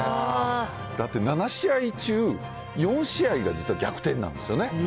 だって、７試合中４試合が実は逆転なんですよね。